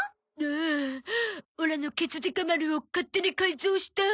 ああオラのケツデカ丸を勝手に改造した。